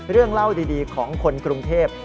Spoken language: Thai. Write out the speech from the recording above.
เรื่องเล่าดีของคนกรุงเทพ